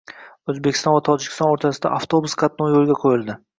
O‘zbekiston va Tojikiston o‘rtasida avtobus qatnovi yo‘lga qo‘yildi